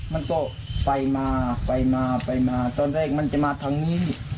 มันต้องไปมาตอนแรกมันจะมาทางนี้